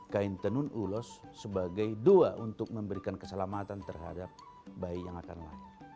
kain tenun ulos sebagai doa untuk memberikan keselamatan terhadap bayi yang akan lahir